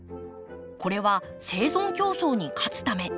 これは生存競争に勝つため。